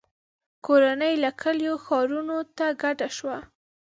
• کورنۍ له کلیو ښارونو ته کډه شوه.